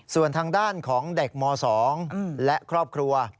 ส่วนทางด้านของเด็กม๒และครอบครัว